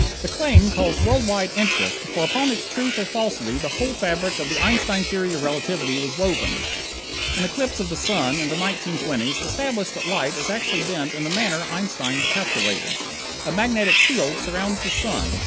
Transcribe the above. The claim caused world wide interest, for upon its truth or falsity the whole fabric of the Einstein Theory of Relativity was woven. An eclipse of the sun in the 1920's established that light is actually bent in the manner Einstein had calculated. A magnetic field surrounds the sun.